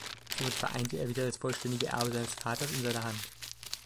Somit vereinte er wieder das vollständige Erbe seines Vaters in seiner Hand.